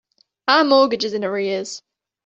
Our mortgage is in arrears.